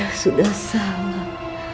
saya sudah salah